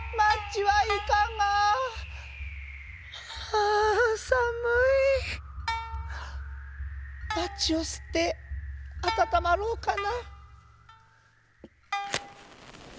あぁさむい。マッチをすってあたたまろうかな。